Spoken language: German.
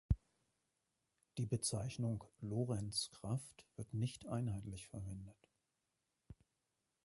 Die Bezeichnung „Lorentzkraft“ wird nicht einheitlich verwendet.